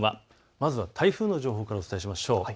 まずは台風の情報からお伝えしましょう。